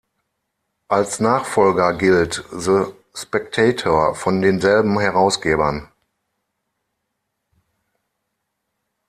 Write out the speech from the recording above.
Als Nachfolger gilt The Spectator von denselben Herausgebern.